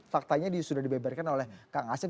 faktanya sudah dibebarkan oleh kak asep